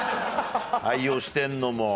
愛用してるのも。